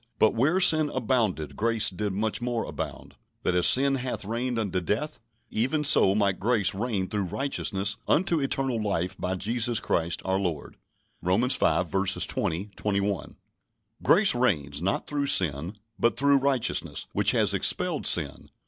"But where sin abounded, grace did much more abound; that as sin hath reigned unto death, even so might grace reign through righteousness unto eternal life by Jesus Christ our Lord" (Romans v. 20, 21). Grace reigns, not through sin, but "through righteousness" which has expelled sin.